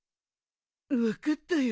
分かったよ。